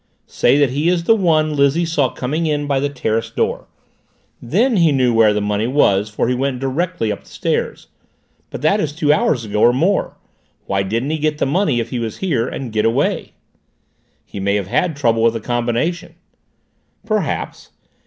Say that he is the one Lizzie saw coming in by the terrace door. Then he knew where the money was for he went directly up the stairs. But that is two hours ago or more. Why didn't he get the money, if it was here, and get away?" "He may have had trouble with the combination." "Perhaps.